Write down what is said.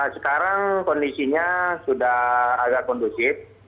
sekarang kondisinya sudah agak kondusif